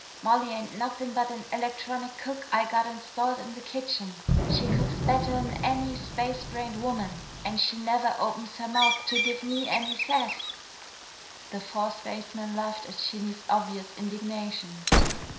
Molly ain't nothing but an electronic cook I got installed in the kitchen. She cooks better'n any space brained woman and she never opens her mouth to give me any sass!" The four spacemen laughed at Shinny's obvious indignation.